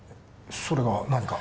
それが何か？